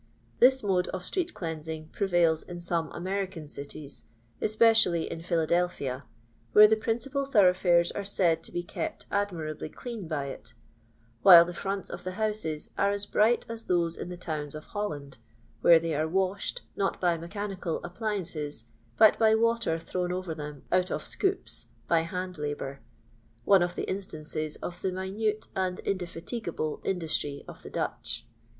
This mode of street cleansing prevails in some American cities, especially in Philadelphia, where the principal thoroughfoies are said to be kept admirably clean by it ; while the fronts of the houses are as bright aa those in the towns of Holland, where they are washed, not by meehanioal appliances, but by water thrown over them out of scoops by hand hibour— one of the instanees of the minute and indefatigable in dustry of the Dutch.